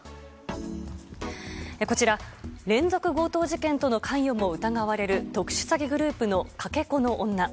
こちら、連続強盗事件との関与も疑われる特殊詐欺グループのかけ子の女。